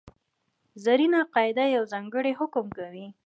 زرینه قاعده یو ځانګړی حکم کوي.